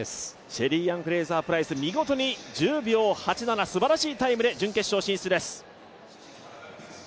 シェリーアン・フレイザー・プライス、見事に１０秒８７、すばらしいタイムで準決勝進出です。